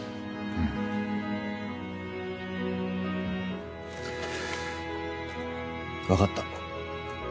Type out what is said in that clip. うんわかった。